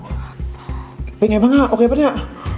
เป็นไงบ้างอ่ะโอเคปะเนี่ย